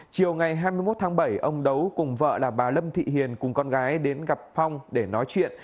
chiều ngày hai mươi một tháng bảy ông đấu cùng vợ là bà lâm thị hiền cùng con gái đến gặp phong để nói chuyện